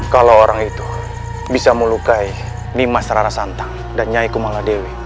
kalau orang itu bisa melukai nimas rarasantang dan nyai kumala dewi